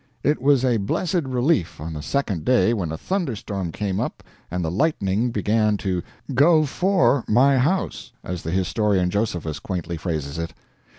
It was a blessed relief on the second day when a thunderstorm came up and the lightning began to "go for" my house, as the historian Josephus quaintly phrases it.